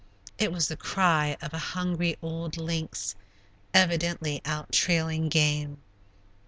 It was the cry of a hungry old lynx evidently out trailing game.